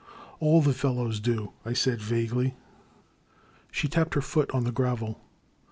All the fellows do," I said, vaguely. She tapped her foot on the gravel.